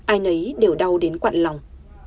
ai nấy đều đau đến quặn lòng